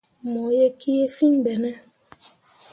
Mo ye kii fìi ɓe ne ?